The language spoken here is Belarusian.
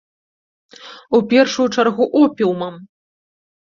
У першую чаргу опіумам.